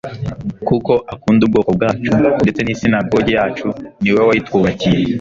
kuko akunda ubwoko bwacu, ndetse n'isinagogi yacu niwe wayitwubakiye.»